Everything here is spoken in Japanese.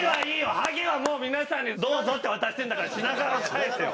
「ハゲ」はもう皆さんにどうぞって渡してるんだから「白髪」は返せよ。